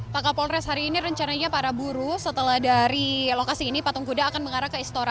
pak kapolres hari ini rencananya para buruh setelah dari lokasi ini patung kuda akan mengarah ke istora